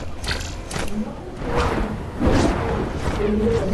Now, do you doubt that your Bird was true?